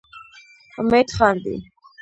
امید خاندي.